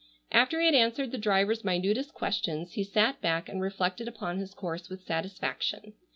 After he had answered the driver's minutest questions, he sat back and reflected upon his course with satisfaction.